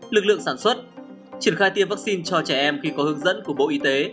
lực lượng sản xuất triển khai tiêm vaccine cho trẻ em khi có hướng dẫn của bộ y tế